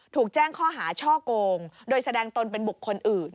ถูกแจ้งข้อหาช่อกงโดยแสดงตนเป็นบุคคลอื่น